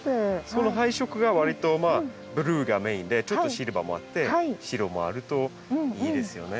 その配色がわりとまあブルーがメインでちょっとシルバーもあって白もあるといいですよね。